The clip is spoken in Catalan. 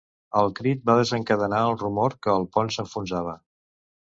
El crit va desencadenar el rumor que el pont s'enfonsava.